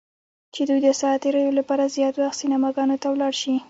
چې دوی د ساعت تیریو لپاره زیات وخت سینماګانو ته ولاړ شي.